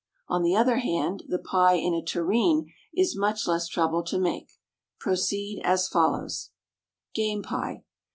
On the other hand, the pie in a terrine is much less trouble to make. Proceed as follows: _Game Pie.